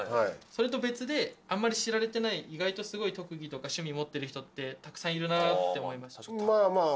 それと別であまり知られてない意外とすごい特技とか趣味持ってる人ってたくさんいるなって思いましてああ